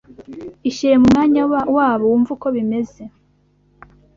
Ishyire mu mwanya wabo wumve uko bimeze